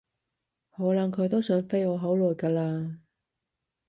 可能佢都想飛我好耐㗎喇